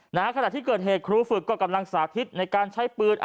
ขณะที่เกิดเหตุครูฝึกก็กำลังสาธิตในการใช้ปืน